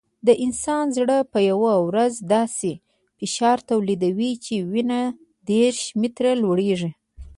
د انسان زړه په یوه ورځ داسې فشار تولیدوي چې وینه دېرش متره لوړېږي.